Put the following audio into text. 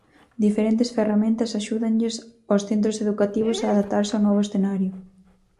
Diferentes ferramentas axúdanlles aos centros educativos a adaptarse ao novo escenario.